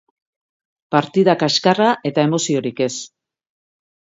Partida kaskarra eta emoziorik ez.